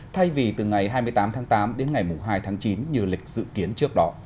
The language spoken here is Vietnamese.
thay vì từ ngày hai mươi tám tháng tám đến ngày hai tháng chín như lịch dự kiến trước đó